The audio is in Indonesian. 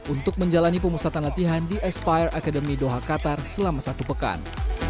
untuk menjalani pemusatan latihan di espire academy doha qatar selama satu pekan